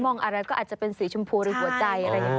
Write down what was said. มองอะไรก็อาจจะเป็นสีชมพูหรือหัวใจ